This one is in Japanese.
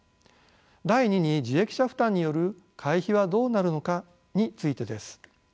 第二に受益者負担による会費はどうなるのかについてです。